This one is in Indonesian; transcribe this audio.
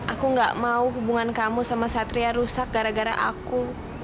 aku gak mau hubungan kamu sama satria rusak gara gara aku